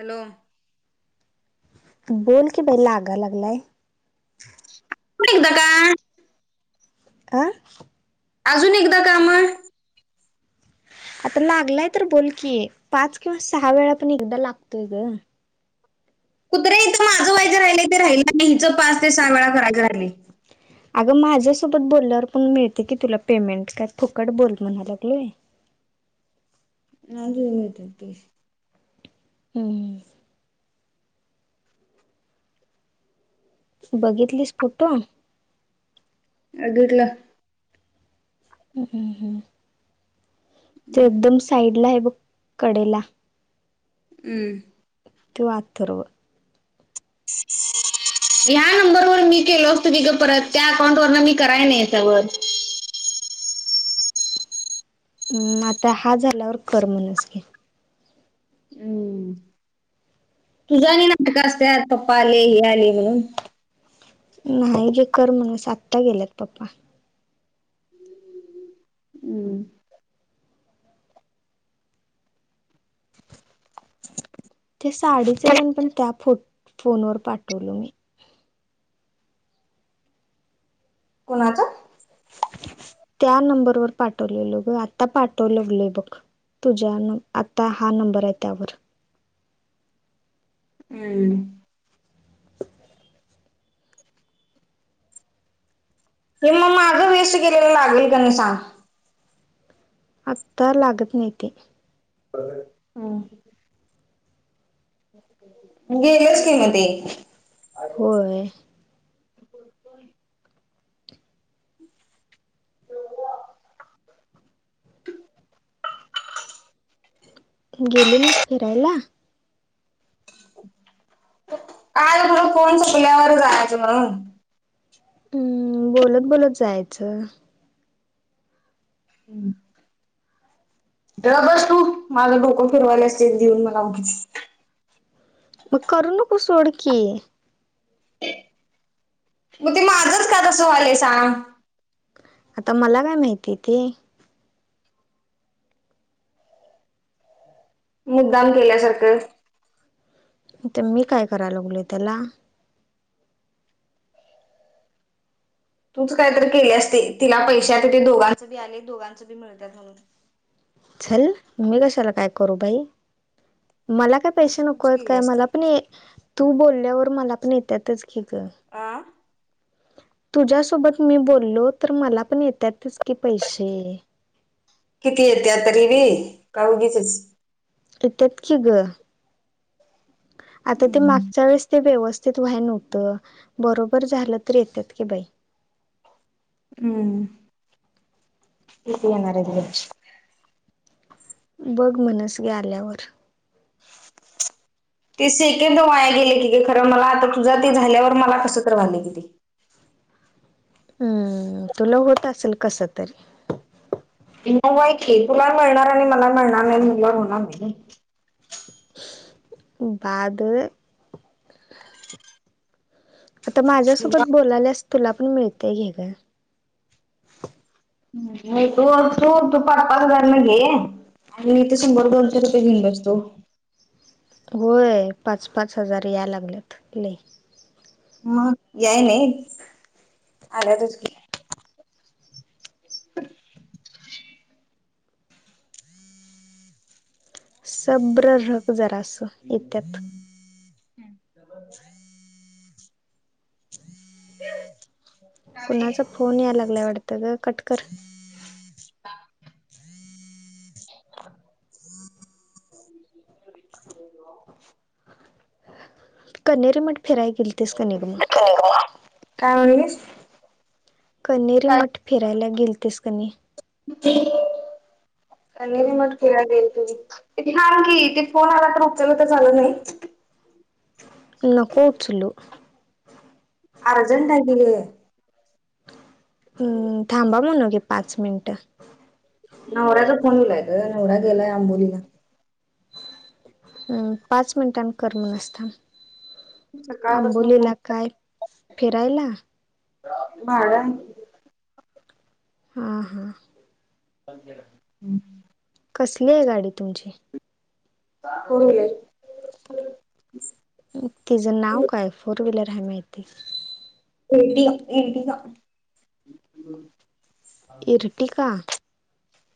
Hello. बोल की. बहिला आगा लागलाय. [unintelligible] का. आ? अजून एकदा का म? आता लागलाय तर बोल की. पाच किंवा सहा वेळा पण एकदा लागतोय ग! कुत्रे ईथ माझं व्हायचे राहिलय ते राहिलं. आणि हिचं पाच ते सहा वेळा करायच राहिलय. अगं माझ्यासोबत बोलल्यावर पण मिळत की तुला पेमेंट. काय फुकट बोल म्हणाय लागलेय? नाही बोलतये ती. हम्. बघितलीस फोटो? बगितलं. हम्, हम्, ते एकदम साईड ला आहे बघ,, कडेलाऽ हम्म, तो आथरव. ह्या नंबर वर मी केलो असतो कि ग परत,, त्या अकाउंट वर न मी कराय नाही याच्यावरऽ हम्,, आता हा झाल्यावर कर मनस घे. तुझा आणि नाटकं असत्यात,, पप्पा आले, हे आले म्हणून. नाही, जे कर म्हणस, आत्ता गेल्यात पप्पा. हम्, ते साडीच तन पण, त्या पण त्या फो फोन वर पाठवलो मी. कोणाचं? त्या नंबरवर पाठवलेलो गं,, आता पाठवलं लय बघ,, तुझ्या नं,, आता हा नंबर आहे त्यावर. हम्म. हे मग माझं वेस्ट केलेला लागेल का नाही सांग. आत्ता लागत नाही ते. गेलच कि म तेऽ होय, गेली नाहीस फिरायला.? काय तुज कोण चुकल्यावर जायचं म्हणूनऽ हम्म,, बोलत बोलत जायचं. ग बस तू,, माझं डोकं फिरवायला स, एक देऊन मलाऽ मग करू नकू सोडकीी. मग ते माझंच का तसं वालंय सांग? आता मला काय माहिती ते. मुद्दाम केल्यासारखं. तर मी काय करायला लागलो त्याला.? तूच कायतरी केल्यास ते.,, तिला पैशा तिथे दोघांच बी आलय, दोघांच बी मिळतात म्हणूनऽ चल,, मी कशाला काय करू बाई? मला काय पैसे नको तूच आहेत केली काय? असती मला पण तू बोलल्यावर मला पण येतातच की गं,, आं, तुझ्यासोबत मी बोललो तर मला पण येतातच की पैसे. किती येत आता तरीिवी,, का उगीचच. एत्यात कि ग,, आता ते हम्म मागच्या वेळेस ते व्यवस्थितऽ त व्हाय नव्हतं,, बरोबर झालं तर येतात की बाई. हम्म,, की ती येणारत? बघ म्हणस गे आल्यावर. स ते सेकंद वाया गेले की का खरं मला आता तुझा ते झाल्यावर मला कस तर झाले कि तेऽ हम्म,, तुला होत असेल कस तरी. न बाईक तुला मिळणार, आणि मला मिळणार नाही मनल्यावर होणार की. बादऽ आता माझ्यासोबत बोलायल्यास तुला पण मिळतय घे गं. नाही, तू तू तू पाच पाच हजार न घेऽ आणि ते शंभर दोनशे रुपये घेऊन बसतो. होय, पाच पाच हजार या लागलेत लयऽ मग याय नाही,, आल्यातच की,, सब्र रक जरा अस,, येत्यात. हम्म, कुणाचा फोन या लागलाय वाटतं ग कटकर क रे म्हट फिराय गेलतीस की नाही ग मग? काय म्हणलीस कनेरी काय मठ फिरायला गेलतेस कनी कणेरी मठ फिरायला गेलत की ये थांब की ते फोन आला तर उचला तर चालत नाही नको उचलू अर्जंट आहेली हम्म थांबा म्हणोगे पाच मिनिट नवऱ्याचा फोनवलाय ग नवराा गेलाय आंबोलीला अम पाच मिनिटां करम न असत सकाळपासून फोन आंबोलीला काय फिरायला भाड आहे हा हां अज ना, कसली आहे गाडी तुमची? होय तिचं नाव काय? फोर व्हीलर आहे माहिती. एटी,, एर्टिगा का, एर्टिका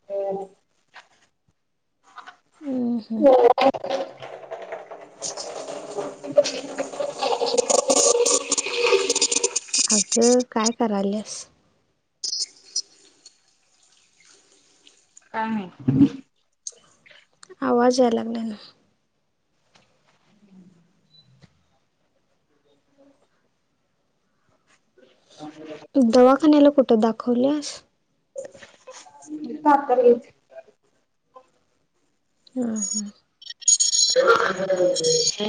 ह हम्म हम्म हो [unintelligible] अगं काय करायलस काय नाही आवाज याय लागले ना ह दवाखान्याला कुठं दाखवलेस काात येत ह हा ते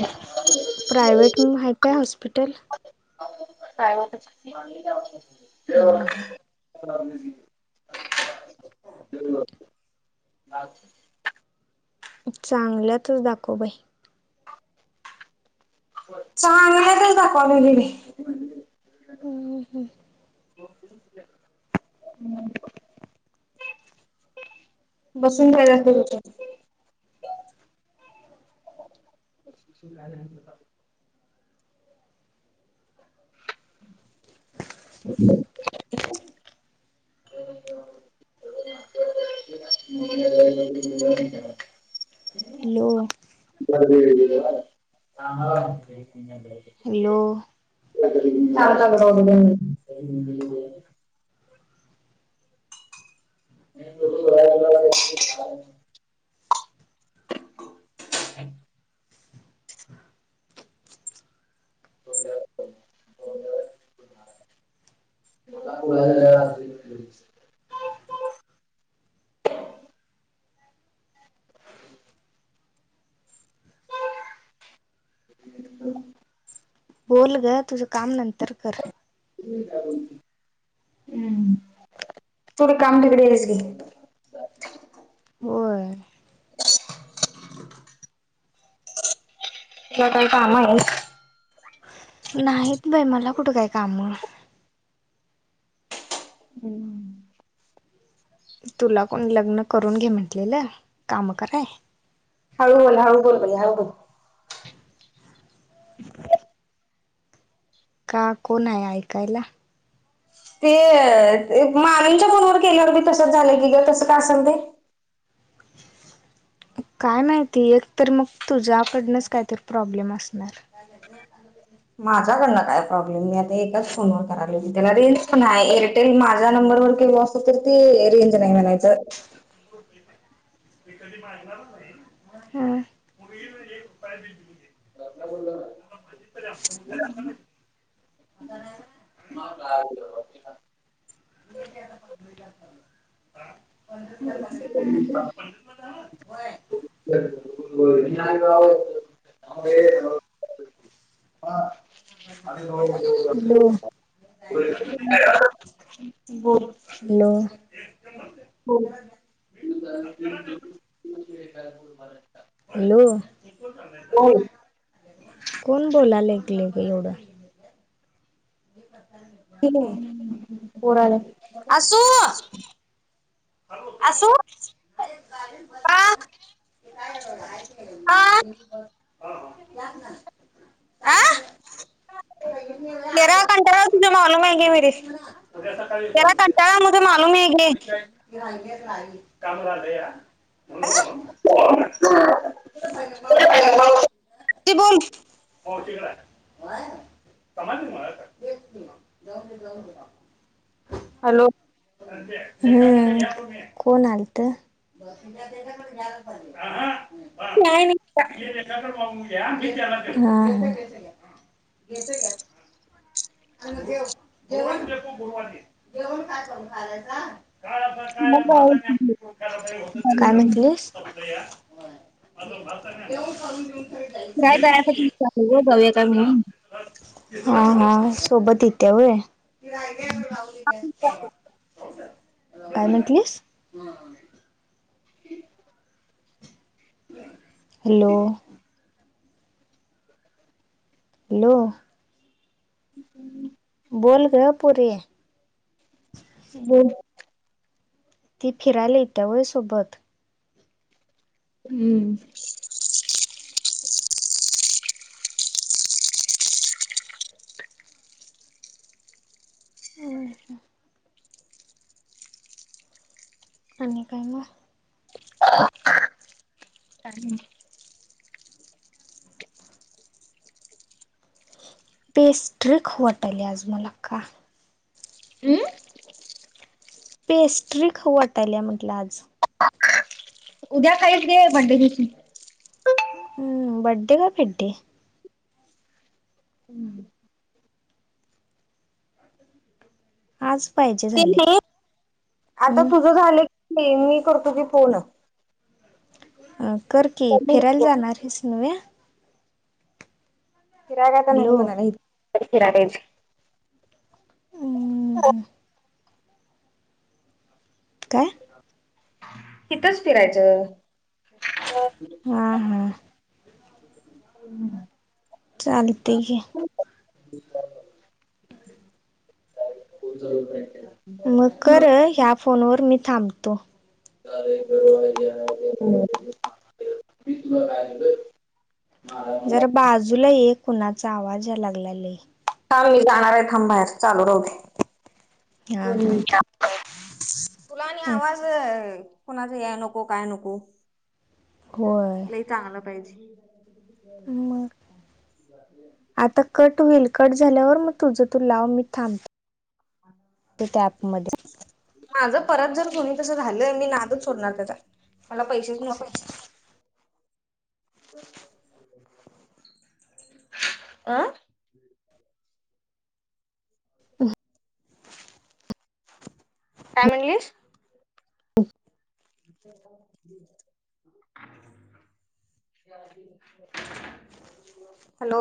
प्रायव्हेट माहित आहे काय हॉस्पिटल प्रायव्हेट च की हा ह [unintelligible] [unintelligible] बा चांगल्यातच दाखव बाई चांगल्या तच दाखवाय पाहिजे हॅलो कि [unintelligible] बसंत जााखत झा ह म हॅलो [unintelligible] हॅलो ग ग [unintelligible] ह [unintelligible] ह बोल ग तुझं काम नंतर कर. हम्म, तू रिकामटेकडी आहेस की. होय! तुला काय काम आहेत? नाहीत बाई मला कुठ काय काम! हॅलो! तुला कोण लग्न करून घे म्हटलेलं काम कराय. हळूल बोल बाई हळू बोल! [unintelligible] का कोण आहे ऐकायला? ते मामीच्या फोनवर केल्यावर बी तसच झालं की ग तसं का असेल ते? काय माहिती एक तर मग तुझ्याकडनंच काहीतरी प्रॉब्लेम असणार. माझ्याकडनं काय प्रॉब्लेम मी आता एकाच फोनवर करायलोय की त्याला रेंज पण आहे एअरटेल माझ्या नंबर वर केल असत तर ते रेंज नाही म्हणायचं. हम्म! [unintelligible] [unintelligible] [unintelligible] [inaudible] [inaudible] [unintelligible] हॅलो [unintelligible] बोल! हॅलो बोल! हॅलो बोल कोण बोलाय लागलय एवढं? पोराला आसू आसू [unintelligible] आ [unintelligible] आ [unintelligible] काम झालया. आ [unintelligible] समजलं मला हॅलो! हम्म कोण आलत? [unintelligible] नाही मी हा हा! [unintelligible] गुरुवारी जेवण काय करू? [unintelligible] बोल बाई काय म्हटलीस? काय जायासाठी विचारतोय जाऊया काय म्हणून. हा हा सोबत येतीया होय? [inaudible] काय म्हटलीस? [inaudible] हॅलो. हॅलो. [unintelligible] बोल गं पोरी. बोल. ती फिरायला इत्या होय सोबत. हम्म. आणि काय मग. [unintelligible] पेस्ट्री खावू वाटल्या आज मला का? अमं. पेस्ट्री खावू वाटाल्या म्हटलं आज. उद्या खास रे, बड्डे दिवशी. हम्म बड्डे का फिडे. [unintelligible] आज पाहिजे. ते झाले न्हव आता तुझ हम्म झालं की कणी, मी करतो की फोन. कर की, फिरायला जाणार हायस नव्हे. फिरायला तर नाही हॅलो म्हणाल्या [unintelligible] काय. इथंच फिरायचं. हा. हा. हम्म. चालते घे. [unintelligible] मग कर ह्या, फोनवर मी थांबतो. [unintelligible] जरा [unintelligible] बाजूला ये कुणाचा आवाज या लागलाला लै. हां मी जाणार आहे थांब‌, बाहेर चालू राहू दे हा दोन हा मिनिटं. तुला आणि आवाज, कुणाच या नको काय नको. होय. चांगलं पाहिजे. मग आता कट होईल. कट झाल्यावर मग तुझं तू लाव मी थांबते. त्या अॅप मध्ये. माझं परत जर कोणी तसं झालं, मी नादच सोडणार त्यांचा. मला पैसेच नको. अं. [unintelligible] काय म्हणलीस. [inaudible] [inaudible] हॅलो.